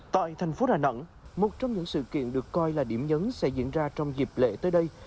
tại thành phố đà nẵng một trong những sự kiện được coi là điểm nhấn sẽ diễn ra trong dịp lễ tới đây